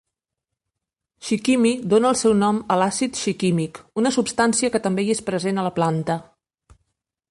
"Shikimi" dona el seu nom a l"àcid shikímic, una substància que també hi és present a la planta.